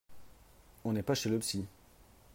On n’est pas chez le psy